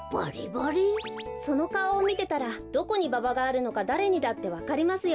そのかおをみてたらどこにババがあるのかだれにだってわかりますよ。